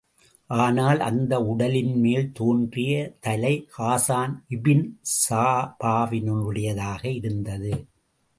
ஆனால், அந்த உடலின்மேல் தோன்றிய தலை ஹாஸான் இபின் சாபாவினுடையதாக இருந்தது.